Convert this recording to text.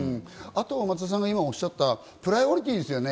あとは松田さんがおっしゃったプライオリティですよね。